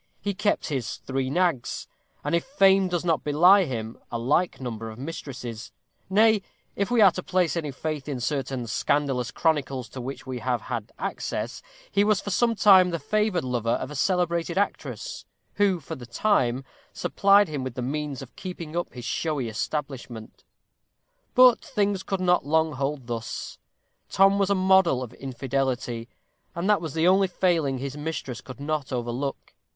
He kept his three nags; and, if fame does not belie him, a like number of mistresses; nay, if we are to place any faith in certain scandalous chronicles to which we have had access, he was for some time the favored lover of a celebrated actress, who, for the time, supplied him with the means of keeping up his showy establishment. But things could not long hold thus. Tom was a model of infidelity, and that was the only failing his mistress could not overlook.